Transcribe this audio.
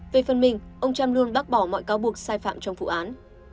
về phần mình ông trump luôn bác bỏ mọi cáo buộc sai phạm trong vụ án